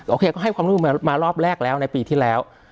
โอเคก็ให้ความร่วมมือมารอบแรกแล้วในปีที่แล้ว